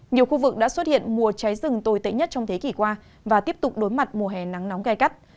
nhiều khu vực đã xuất hiện mùa cháy rừng tồi tệ nhất trong thế kỷ qua và tiếp tục đối mặt mùa hè nắng nóng gai gắt